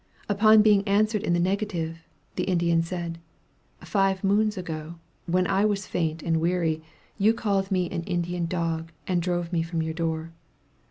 Upon being answered in the negative, the Indian said, "Five moons ago, when I was faint and weary, you called me an Indian dog, and drove me from your door.